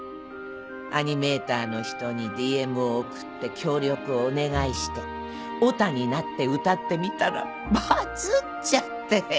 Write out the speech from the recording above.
アニメーターの人にＤＭを送って協力をお願いしてオタになって歌ってみたらバズっちゃって。